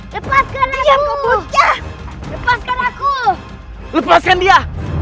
lepaskan aku lepaskan aku lepaskan dia